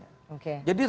jadi replika politiknya